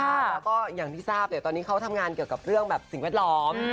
แล้วก็อย่างที่ทราบเนี่ยตอนนี้เขาทำงานเกี่ยวกับเรื่องแบบสิ่งแวดล้อม